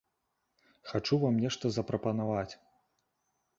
Хачу вам нешта запрапанаваць.